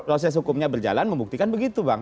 proses hukumnya berjalan membuktikan begitu bang